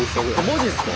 マジっすか？